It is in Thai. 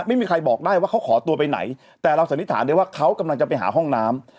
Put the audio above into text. ไม่มีใครบอกได้ว่าเขาขอตัวไปไหนแต่เราสันนิษฐานได้ว่าเขากำลังจะไปหาห้องน้ำ